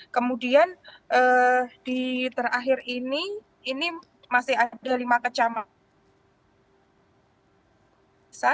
kemudian di terakhir ini ini masih ada lima kecamatan